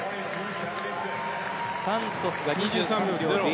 サントスが２３秒０４。